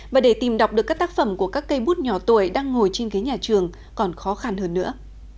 và để tìm đọc được các tác phẩm của các cây bút nhỏ tuổi đang ngồi trên ghế nhà trường còn khó khăn hơn nữa